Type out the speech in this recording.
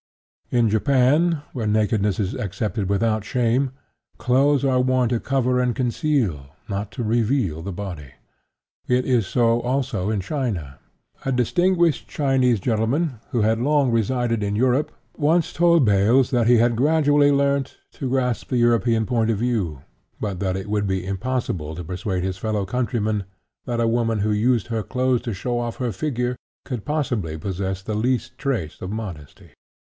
In Japan, where nakedness is accepted without shame, clothes are worn to cover and conceal, and not to reveal, the body. It is so, also, in China. A distinguished Chinese gentleman, who had long resided in Europe, once told Baelz that he had gradually learnt to grasp the European point of view, but that it would be impossible to persuade his fellow countrymen that a woman who used her clothes to show off her figure could possibly possess the least trace of modesty.